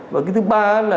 và thứ ba là